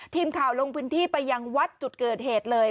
ทีมข่าวลงพื้นที่ไปยังวัดจุดเกิดเหตุเลย